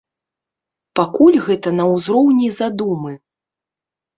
Пакуль гэта на ўзроўні задумы.